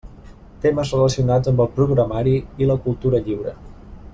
Temes relacionats amb el programari i la cultura lliure.